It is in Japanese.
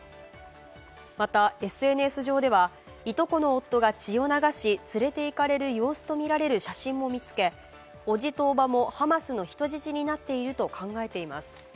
また、ＳＮＳ上では、いとこの夫が血を流し連れていかれる様子とみられる写真も見つけおじとおばもハマスの人質になっていると考えています。